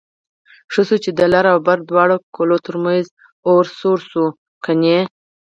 ښه شو چې د لر او بر دواړو کلو ترمنځ اور سوړ شو کني...